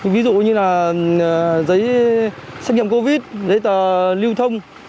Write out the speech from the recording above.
ví dụ như là giấy xét nghiệm covid giấy tờ lưu thông